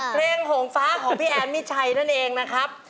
เพลงโหงฟ้าของพี่แอนมิชัยนั่นเองนะครับ